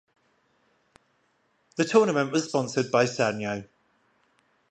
The tournament was sponsored by Sanyo.